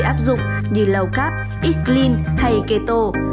các trào lưu có thể được áp dụng như lau cáp x clean hay keto